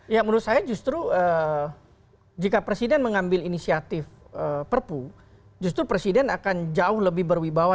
ya menurut saya justru jika presiden mengambil inisiatif perpu justru presiden akan jauh lebih berwibawa